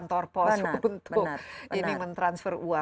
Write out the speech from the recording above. transfer kita ke kantor pos untuk ini mentransfer uang